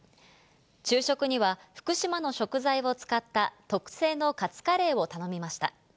昼食には、福島の食材を使った特製のカツカレーを頼みました。